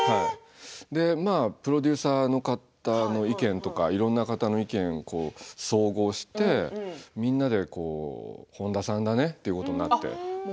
プロデューサーの方の意見とかいろんな方の意見を総合してみんなで本田さんだねっていうことになって。